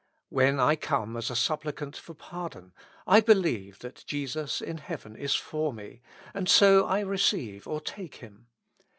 When I come as a supplicant for pardon, I believe that Jesus in heaven is for me, and so I receive or take Him.